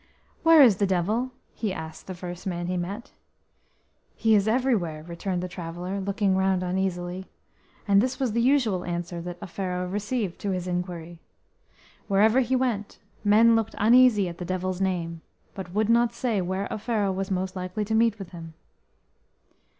HERE is the Devil?" he asked the first man he met. "He is everywhere," returned the traveller, looking round uneasily; and this was the usual answer that Offero received to his inquiry. Wherever he went men looked uneasy at the Devil's name, but would not say where Offero was most likely to meet with him.